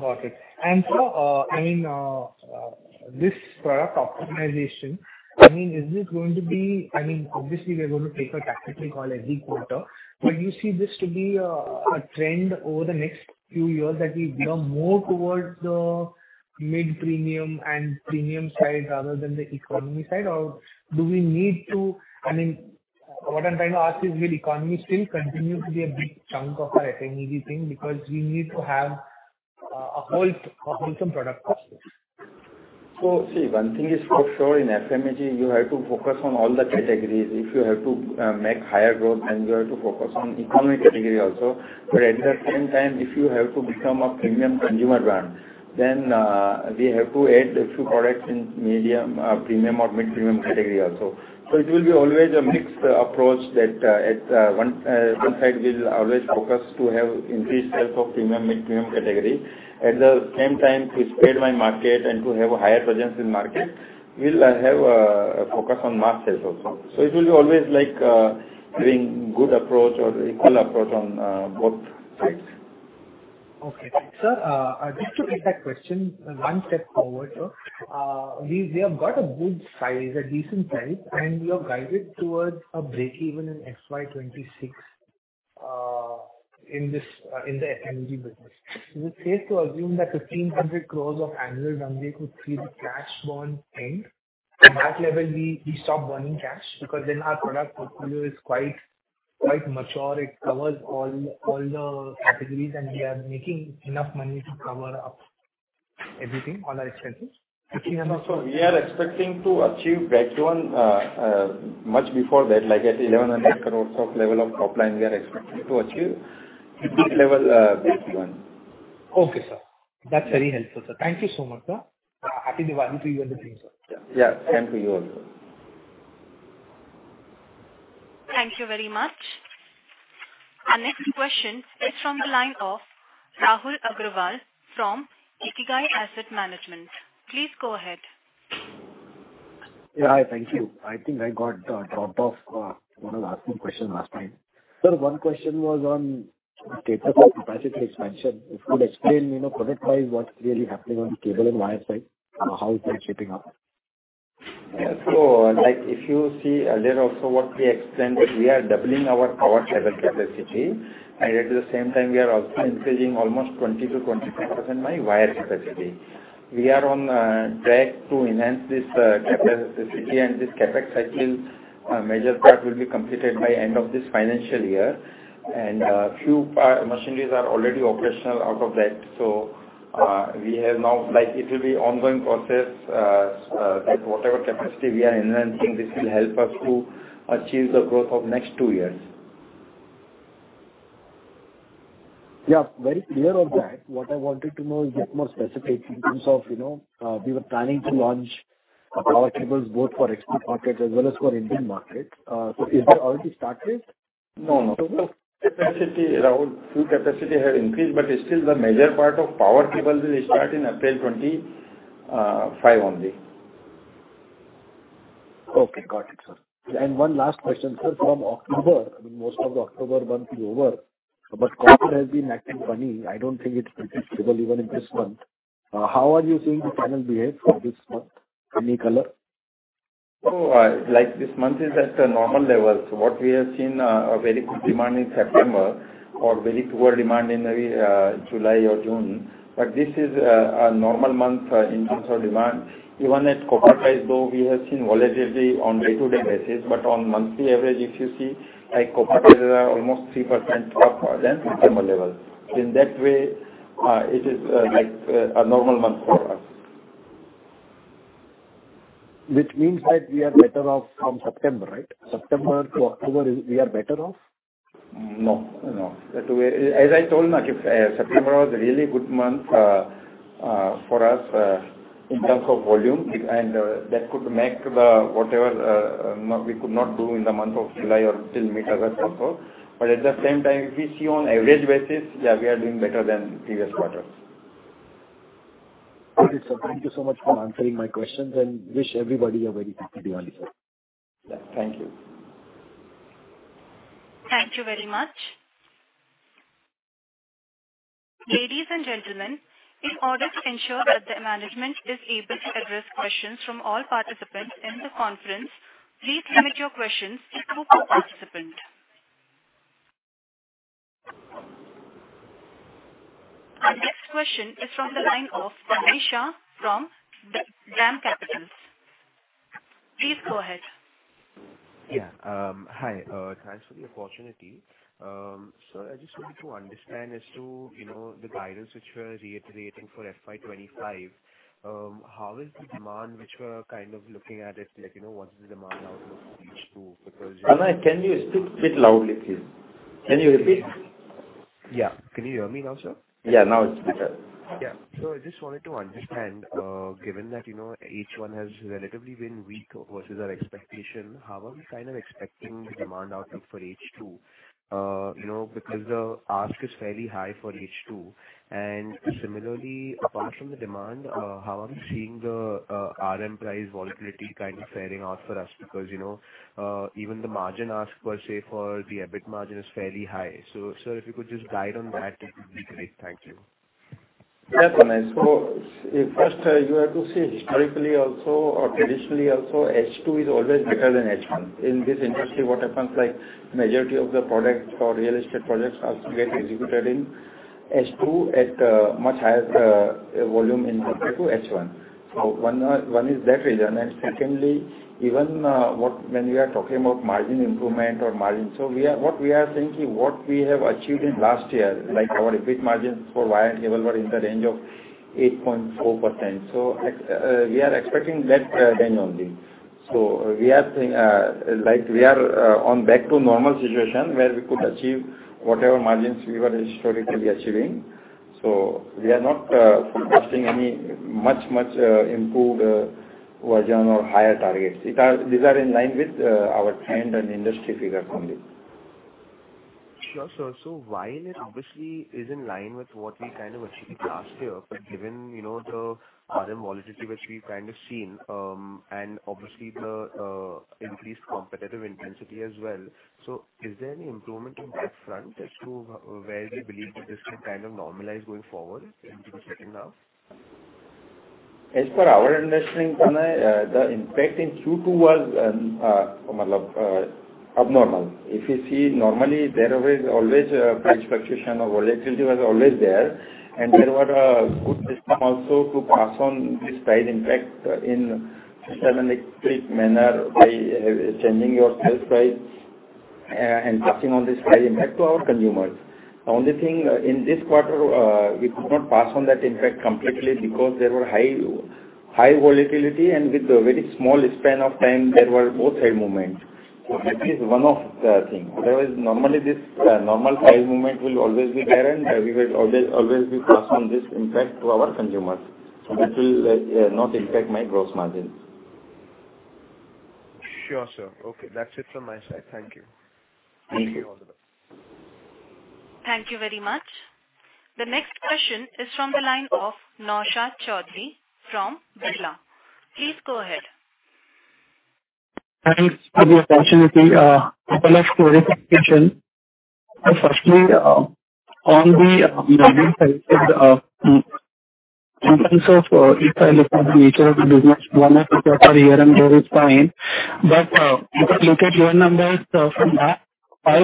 Got it. And so, I mean, this product optimization, I mean, is it going to be, I mean, obviously, we are going to take a tactical call every quarter, but do you see this to be a trend over the next few years that we lean more towards the mid-premium and premium side rather than the economy side? Or do we need to... I mean, what I'm trying to ask is, will economy still continue to be a big chunk of our FMEG thing because we need to have a whole, wholesome product cost? So see, one thing is for sure, in FMEG, you have to focus on all the categories. If you have to make higher growth, then you have to focus on economy category also. But at the same time, if you have to become a premium consumer brand, then we have to add a few products in medium premium or mid-premium category also. So it will be always a mixed approach that at one side, we'll always focus to have increased sales of premium, mid-premium category. At the same time, to spread my market and to have a higher presence in market, we'll have a focus on mass sales also. So it will be always like doing good approach or equal approach on both sides. Okay, sir, just to take that question one step forward, sir. We have got a good size, a decent size, and we have guided towards a breakeven in FY 2026 in this in the FMEG business. Is it safe to assume that INR 1500 crore of annual revenue could see the cash burn end? At that level, we stop burning cash because then our product portfolio is quite mature. It covers all the categories, and we are making enough money to cover up everything, all our expenses. Fifteen hundred- We are expecting to achieve breakeven much before that, like at 1,100 crore level of top line. We are expecting to achieve this level, breakeven. Okay, sir. That's very helpful, sir. Thank you so much, sir. Happy Diwali to you and the team, sir. Yeah, same to you also. Thank you very much. Our next question is from the line of Rahul Agarwal from Ikigai Asset Management. Please go ahead. Yeah, hi. Thank you. I think I got dropped off when I was asking question last time. Sir, one question was on capacity expansion. If you could explain, you know, product-wise, what's really happening on the cable and wire side? How is that shaping up? Yeah. So, like, if you see earlier also what we explained, we are doubling our power cable capacity, and at the same time, we are also increasing almost 20%-25%, my wire capacity. We are on track to enhance this capacity, and this CapEx cycle, major part will be completed by end of this financial year, and few power machineries are already operational out of that, so we have now, like, it will be ongoing process, like, whatever capacity we are enhancing, this will help us to achieve the growth of next two years. Yeah, very clear of that. What I wanted to know is get more specific in terms of, you know, we were planning to launch power cables both for export markets as well as for Indian market. So is that already started? No, no. Capacity, Rahul, full capacity has increased, but still the major part of power cables will start in April 2025 only. Okay, got it, sir. And one last question, sir. From October, most of the October month is over, but copper has been acting funny. I don't think it's predictable even in this month. How are you seeing the channel behave for this month? Any color? Like, this month is at the normal levels. What we have seen, a very good demand in September or very poor demand in July or June. But this is a normal month in terms of demand. Even at copper price, though, we have seen volatility on day-to-day basis, but on monthly average, if you see, like, copper is almost 3% up than September levels. In that way, it is like a normal month for us. Which means that we are better off from September, right? September to October, is we are better off? No, no. As I told, September was a really good month for us in terms of volume, and that could make the... whatever we could not do in the month of July or till mid-August also. But at the same time, if you see on average basis, yeah, we are doing better than previous quarters. Okay, sir. Thank you so much for answering my questions, and wish everybody a very happy Diwali, sir. Yeah. Thank you. Thank you very much. Ladies and gentlemen, in order to ensure that the management is able to address questions from all participants in the conference, please limit your questions to two per participant. Our next question is from the line of Tanay Shah from the DAM Capital. Please go ahead. Yeah. Hi, thanks for the opportunity. So I just wanted to understand as to, you know, the guidance which we are reiterating for FY 2025, how is the demand, which we're kind of looking at it, like, you know, what is the demand out of H2? Because- Can you speak a bit loudly, please? Can you repeat?... Yeah. Can you hear me now, sir? Yeah, now it's better. Yeah. So I just wanted to understand, given that, you know, H1 has relatively been weak versus our expectation, how are we kind of expecting the demand outlook for H2? You know, because the ask is fairly high for H2. And similarly, apart from the demand, how are we seeing the RM price volatility kind of faring out for us? Because, you know, even the margin ask per se for the EBIT margin is fairly high. So sir, if you could just guide on that, it would be great. Thank you. Yeah, Tanay. So first, you have to see historically also or traditionally also, H2 is always better than H1. In this industry, what happens, like, majority of the products or real estate projects are get executed in H2 at a much higher volume in compared to H1. So one, one is that reason. And secondly, even, what when we are talking about margin improvement or margin, so we are what we are thinking, what we have achieved in last year, like our EBIT margins for wire and cable were in the range of 8.4%. So, we are expecting that range only. So we are think, like we are, on back to normal situation where we could achieve whatever margins we were historically achieving. So we are not expecting any much improved version or higher targets. These are in line with our trend and industry figures only. Sure, sir. So while it obviously is in line with what we kind of achieved last year, but given, you know, the other volatility which we've kind of seen, and obviously the increased competitive intensity as well. So is there any improvement on that front as to where we believe that this will kind of normalize going forward into the second half? As per our understanding, Tanay, the impact in Q2 was abnormal. If you see normally, there is always price fluctuation or volatility was always there, and there were a good system also to pass on this price impact in systematic manner by changing your sales price, and passing on this price impact to our consumers. The only thing in this quarter we could not pass on that impact completely because there were high, high volatility, and with a very small span of time, there were both side movements. So that is one of the thing. Otherwise, normally, this normal price movement will always be there, and we will always, always be passing this impact to our consumers. So it will not impact my gross margin. Sure, sir. Okay, that's it from my side. Thank you. Thank you. Thank you very much. The next question is from the line of Naushad Chaudhary from Birla. Please go ahead. Thanks for the opportunity. Couple of quick question. Firstly, on the margin side, in terms of if I look at the nature of the business, one or two quarter here and there is fine, but if I look at your numbers from five quarters consistently- Hey, hi.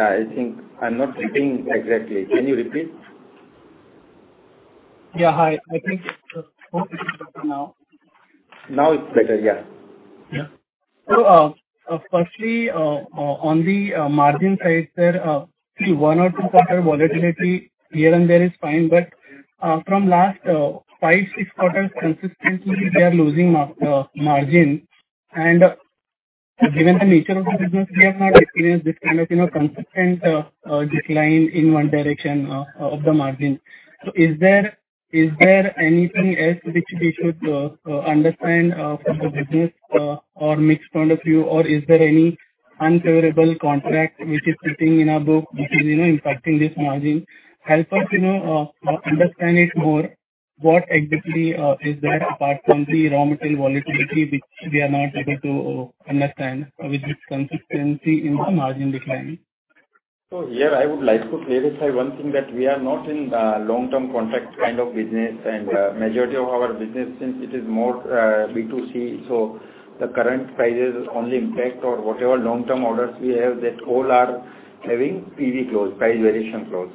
I think I'm not getting exactly. Can you repeat? Yeah, hi. I think it's better now. Now it's better, yeah. Yeah. So, firstly, on the margin side, sir, one or two quarter volatility here and there is fine, but from last five, six quarters consistently, we are losing margin. And given the nature of the business, we have not experienced this kind of, you know, consistent decline in one direction of the margin. So is there anything else which we should understand from the business or mix point of view? Or is there any unfavorable contract which is sitting in our book, which is, you know, impacting this margin? Help us, you know, understand it more, what exactly is there apart from the raw material volatility, which we are not able to understand with this consistency in the margin decline? So here I would like to clarify one thing, that we are not in the long-term contract kind of business, and, majority of our business, since it is more, B2C, so the current prices only impact or whatever long-term orders we have, that all are having PV clause, price variation clause.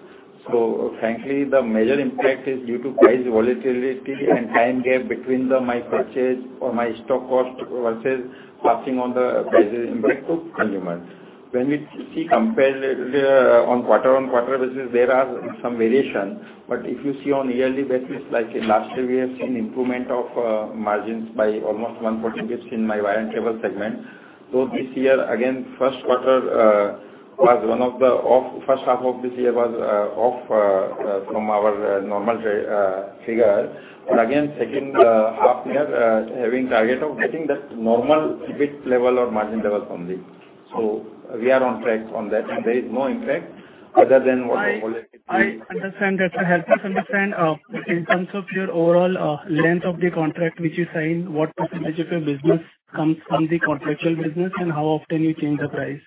So frankly, the major impact is due to price volatility and time gap between the my purchase or my stock cost versus passing on the prices impact to consumers. When we see compared, on quarter-on-quarter basis, there are some variation, but if you see on yearly basis, like in last year, we have seen improvement of, margins by almost 1% in my wire and cable segment. So this year again, first half of this year was off from our normal figure. But again, second half year having target of getting that normal EBIT level or margin level only, so we are on track on that, and there is no impact other than what the volatility. I understand that. Help us understand, in terms of your overall length of the contract which you sign, what percentage of your business comes from the contractual business, and how often you change the price?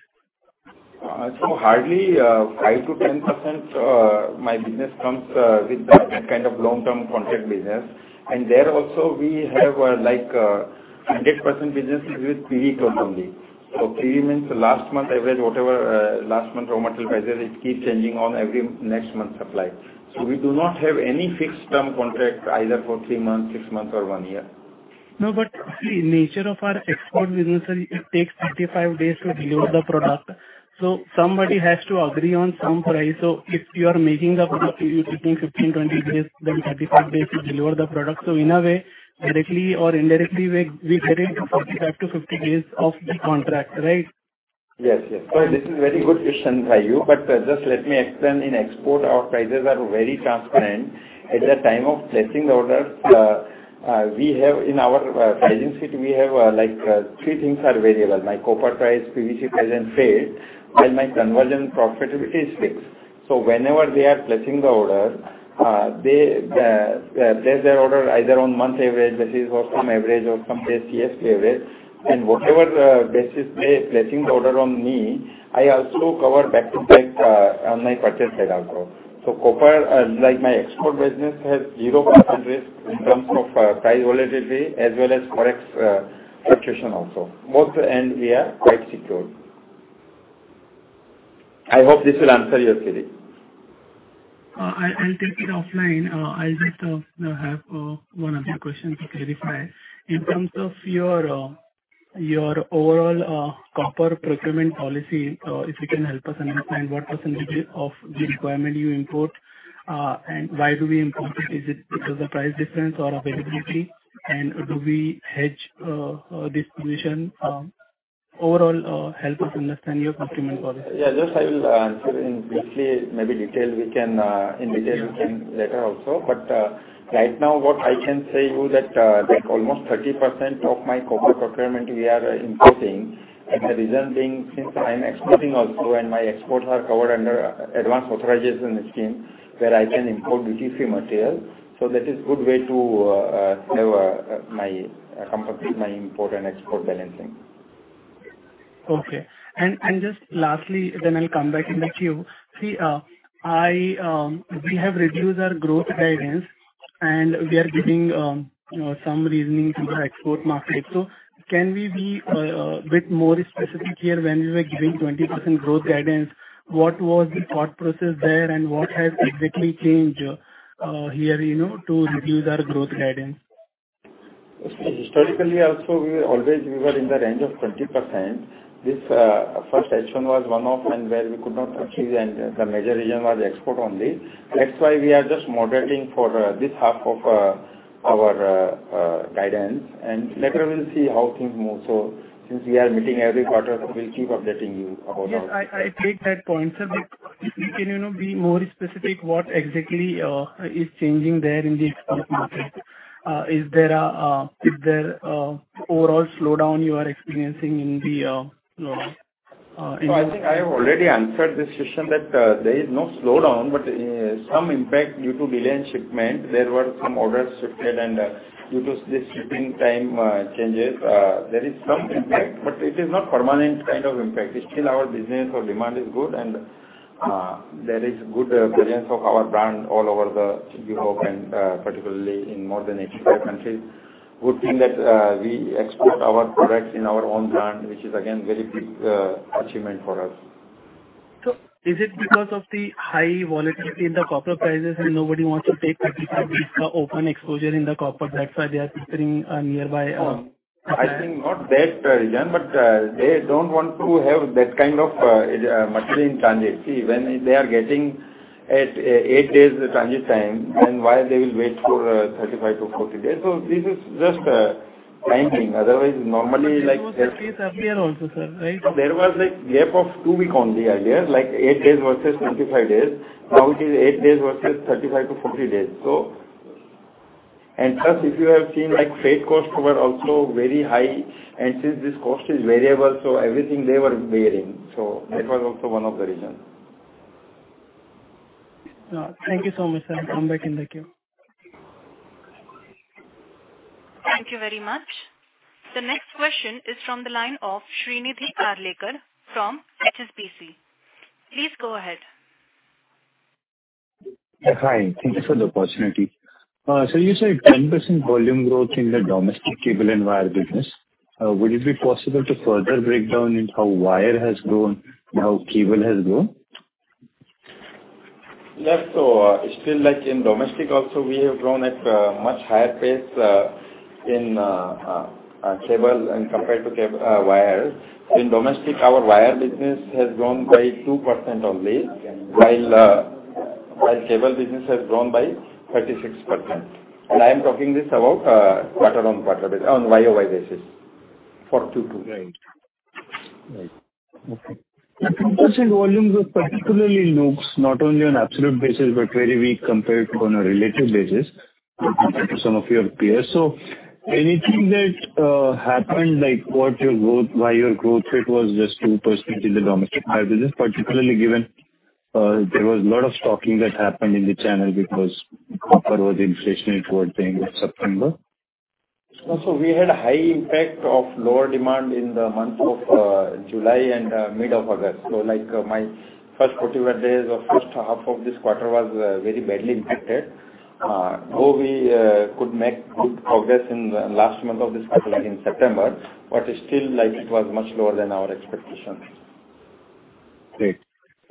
So hardly 5%-10% my business comes with that kind of long-term contract business. And there also we have like 100% business is with PV clause only. So PV means last month average, whatever last month raw material prices, it keeps changing on every next month supply. So we do not have any fixed term contract either for three months, six months, or one year. No, but the nature of our export business, it takes 35 days to deliver the product, so somebody has to agree on some price. So if you are making the product, you taking 15, 20 days, then 35 days to deliver the product. So in a way, directly or indirectly, we get into 45-50 days of the contract, right?... Yes, yes. So this is a very good question by you, but, just let me explain. In export, our prices are very transparent. At the time of placing the orders, we have in our pricing sheet, we have, like, three things are variable: my copper price, PVC price, and freight, while my conversion profitability is fixed. So whenever they are placing the order, they place their order either on month average basis or some average or some case, CS average. And whatever basis they're placing the order on me, I also cover back to back on my purchase side also. So copper, like my export business, has 0% risk in terms of price volatility as well as FOREX fluctuation also. Both ends, we are quite secure. I hope this will answer your query. I'll take it offline. I just have one or two questions to clarify. In terms of your overall copper procurement policy, if you can help us understand what percentage of the requirement you import, and why do we import it? Is it because the price difference or availability, and do we hedge this position, overall, help us understand your procurement policy? Yeah, this I will answer briefly. Maybe in detail we can later also. But right now, what I can say to you is that almost 30% of my copper procurement we are importing, and the reason being, since I'm exporting also and my exports are covered under Advance Authorization Scheme, where I can import duty-free material. So that is a good way to leverage my company, my import and export balancing. Okay, and just lastly, then I'll come back in the queue. See, we have reduced our growth guidance, and we are giving, you know, some reasoning to the export market, so can we be a bit more specific here, when we were giving 20% growth guidance, what was the thought process there, and what has exactly changed here, you know, to reduce our growth guidance? Historically also, we always were in the range of 20%. This first H1 was one-off, and where we could not achieve, and the major reason was export only. That's why we are just moderating for this half of our guidance, and later we'll see how things move. So since we are meeting every quarter, we'll keep updating you about our- Yes, I take that point, sir, but can you not be more specific what exactly is changing there in the export market? Is there overall slowdown you are experiencing in the- No, I think I have already answered this question, that there is no slowdown, but some impact due to delay in shipment. There were some orders shifted, and due to this shipping time changes, there is some impact, but it is not permanent kind of impact. It's still our business or demand is good, and there is good presence of our brand all over the Europe and particularly in more than eighty-five countries. Good thing that we export our products in our own brand, which is again, very big achievement for us. So is it because of the high volatility in the copper prices, and nobody wants to take the open exposure in the copper, that's why they are preferring a nearby? I think not that reason, but they don't want to have that kind of material in transit. See, when they are getting at eight days transit time, then why they will wait for 35-40 days? So this is just timing. Otherwise, normally, like- But there was a case earlier also, sir, right? There was a gap of two weeks only earlier, like eight days versus twenty-five days. Now it is eight days versus thirty-five to forty days. So... and plus, if you have seen, like, freight costs were also very high, and since this cost is variable, so everything they were bearing. So that was also one of the reasons. Thank you so much, sir. I'll come back in the queue. Thank you very much. The next question is from the line of Shrinidhi Karlekar from HSBC. Please go ahead. Yeah, hi. Thank you for the opportunity. So you said 10% volume growth in the domestic cable and wire business. Would it be possible to further break down in how wire has grown and how cable has grown? Yes. So, still, like in domestic also, we have grown at a much higher pace in cable compared to wire. In domestic, our wire business has grown by 2% only, while cable business has grown by 36%. I am talking this about quarter-on-quarter basis, on YoY basis, for Q2. Right. Right. Okay. The 10% volume growth, particularly looks not only on absolute basis, but very weak compared to on a relative basis, compared to some of your peers. So anything that happened, like, what your growth, why your growth rate was just 2% in the domestic wire business, particularly given there was a lot of stocking that happened in the channel because copper was inflationary towards the end of September? So we had a high impact of lower demand in the month of July and mid of August. So, like, my first 31 days of first half of this quarter was very badly impacted. Though we could make good progress in the last month of this quarter, like in September, but still, like, it was much lower than our expectations. Great.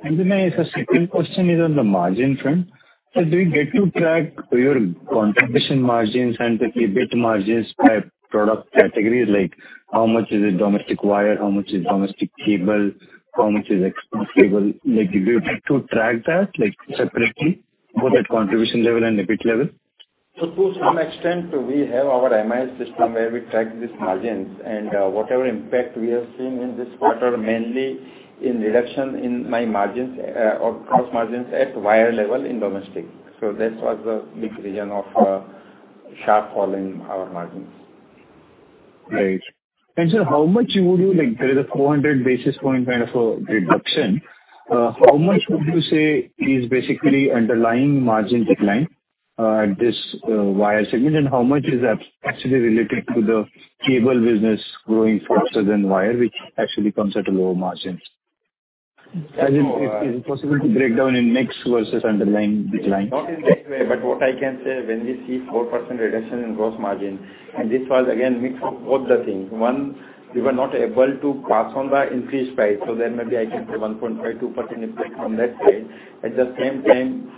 And then my second question is on the margin front. So do we get to track your contribution margins and the EBIT margins by product category? Like, how much is it domestic wire, how much is domestic cable, how much is export cable? Like, do you like to track that, like, separately, both at contribution level and EBIT level?... So to some extent, we have our MIS system where we track these margins, and whatever impact we are seeing in this quarter, mainly in reduction in my margins, or gross margins at wire level in domestic. So that was the big reason of sharp fall in our margins. Right. And so how much would you like, there is a 400 basis points kind of a reduction. How much would you say is basically underlying margin decline at this wire segment? And how much is actually related to the cable business growing faster than wire, which actually comes at a lower margin? Is it possible to break down in mix versus underlying decline? Not in that way, but what I can say, when we see 4% reduction in gross margin, and this was again, mix of both the things. One, we were not able to pass on the increased price, so then maybe I can say 1.2% impact on that side. At the same time,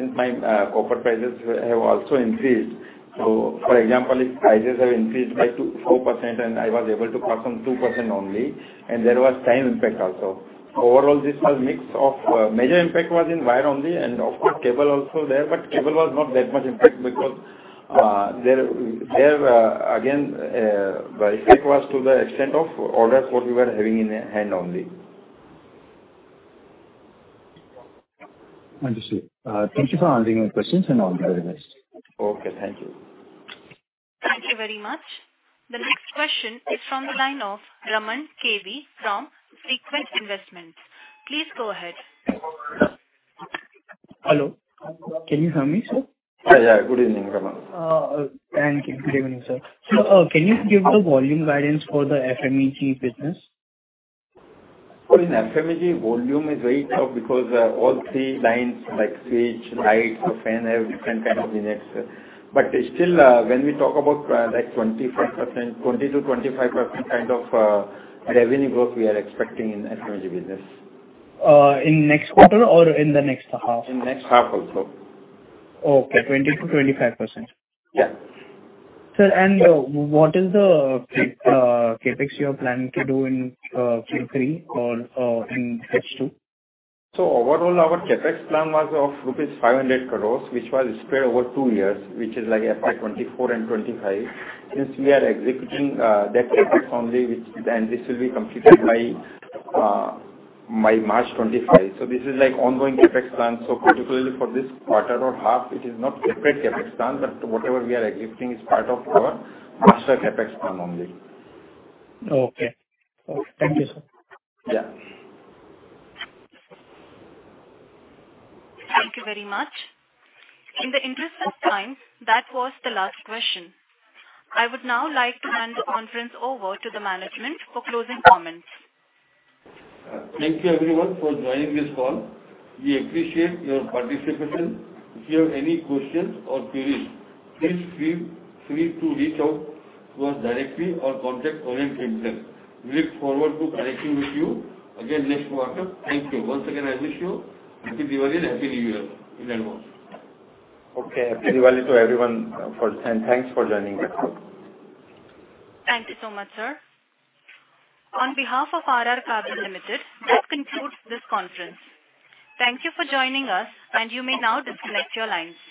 since my copper prices have also increased. So for example, if prices have increased by 2-4%, and I was able to pass on 2% only, and there was time impact also. Overall, this was mix of. Major impact was in wire only, and of course, cable also there. But cable was not that much impact because, there again, the effect was to the extent of orders what we were having in hand only. Understood. Thank you for answering my questions, and all the very best. Okay, thank you. Thank you very much. The next question is from the line of Raman KV from Sequent Investments. Please go ahead. Hello. Can you hear me, sir? Yeah, yeah. Good evening, Raman. Thank you. Good evening, sir. So, can you give the volume guidance for the FMEG business? In FMEG, volume is very tough because all three lines, like switch, light, fan, have different kind of units. But still, when we talk about, like 25%, 20%-25% kind of revenue growth, we are expecting in FMEG business. In next quarter or in the next half? In the next half also. Okay, 20%-25%. Yeah. Sir, and what is the CapEx you are planning to do in Q3 or in H2? So overall, our CapEx plan was of rupees 500 crore, which was spread over two years, which is like FY 2024 and 2025. Since we are executing that CapEx only, which. And this will be completed by, by March 2025. So this is like ongoing CapEx plan. So particularly for this quarter or half, it is not separate CapEx plan, but whatever we are executing is part of our master CapEx plan only. Okay. Thank you, sir. Yeah. Thank you very much. In the interest of time, that was the last question. I would now like to hand the conference over to the management for closing comments. Thank you everyone for joining this call. We appreciate your participation. If you have any questions or queries, please feel free to reach out to us directly or contact Orient Capital. We look forward to connecting with you again next quarter. Thank you. Once again, I wish you Happy Diwali, Happy New Year in advance. Okay, Happy Diwali to everyone, and thanks for joining us. Thank you so much, sir. On behalf of RR Kabel Limited, that concludes this conference. Thank you for joining us, and you may now disconnect your lines.